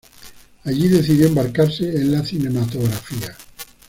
Allí decidió embarcarse en la cinematografía.